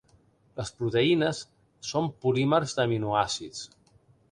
Les proteïnes són polímers d'aminoàcids.